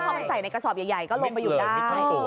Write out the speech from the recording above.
พอมันใส่ในกระสอบใหญ่ก็ลงไปอยู่ได้